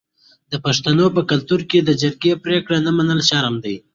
د پښتنو په کلتور کې د جرګې پریکړه نه منل شرم دی.